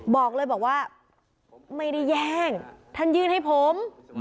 บอกเลยบอกว่าไม่ได้แย่งท่านยื่นให้ผม